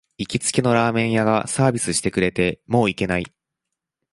行きつけのラーメン屋がサービスしてくれて、もう行けない